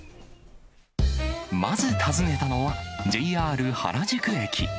まず訪ねたのは、ＪＲ原宿駅。